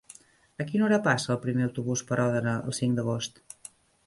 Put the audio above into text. A quina hora passa el primer autobús per Òdena el cinc d'agost?